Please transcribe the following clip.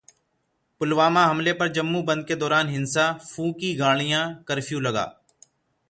पुलवामा हमले पर जम्मू बंद के दौरान हिंसा, फूंकी गाड़ियां, कर्फ्यू लगा